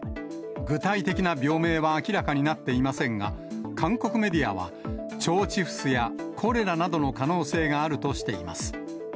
具体的な病名は明らかになっていませんが、韓国メディアは、腸チフスやコレラなどの可能性があるとしています。